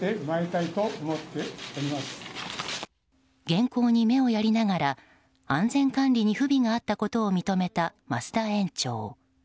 原稿に目をやりながら安全管理に不備があったことを認めた増田園長。